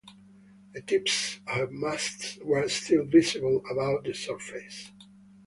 The tips of her masts were still visible above the surface.